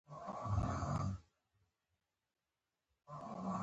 د مدني حقونو غورځنګ وکولای شول چې غږ ورسوي.